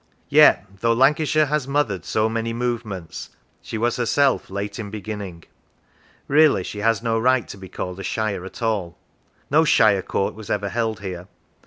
Yet, though Lancashire has mothered so many movements, she was herself late in beginning. Really, she has no right to be called a shire at all. No shire court was ever held here.